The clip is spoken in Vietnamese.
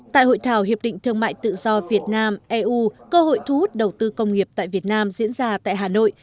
tại hội thảo hiệp định thương mại tự do việt nam eu cơ hội thu hút đầu tư công nghiệp tại việt nam diễn ra tại hà nội